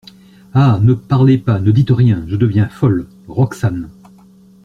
Ah ! ne parlez pas, ne dites rien !… Je deviens folle ! ROXANE.